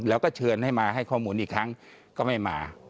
แล้วก็เชิญให้มาให้ข้อมูลอีกครั้งก็ไม่มา